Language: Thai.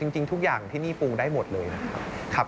จริงทุกอย่างที่นี่ปรุงได้หมดเลยนะครับ